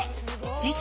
自称